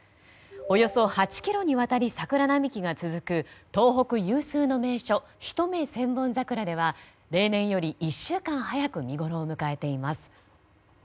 およそ８ｋｍにわたり桜並木が続く東北有数の名所・一目千本桜では例年より１週間早く見ごろを迎えています。